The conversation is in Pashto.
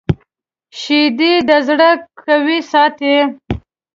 شیدې د زړه قوي ساتي